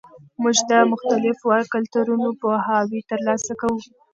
موږ د مختلفو کلتورونو پوهاوی ترلاسه کوو.